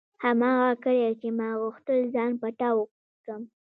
هماغه ګړۍ چې ما غوښتل ځان پټاو کړم.